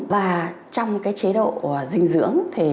và trong chế độ dinh dưỡng thì